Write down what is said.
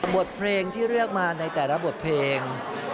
บทเพลงที่เลือกมาในแต่ละบทเพลง